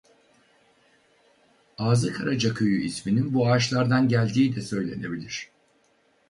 Ağzıkaraca köyü isminin bu ağaçlardan geldiği de söylenebilir.